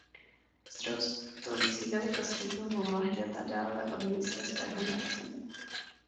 S rostoucí velikostí plavou mláďata dále od místa svého narození.